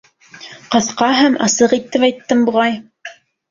Ҡыҫҡа һәм асыҡ итеп әйттем, буғай.